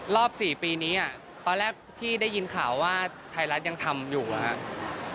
รอบ๔ปีนี้ตอนแรกที่ได้ยินข่าวว่าไทยรัฐยังทำอยู่หรอครับ